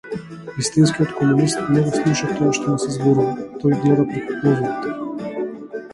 Вистинскиот комунист не го слуша тоа што му се зборува, тој гледа преку говорот.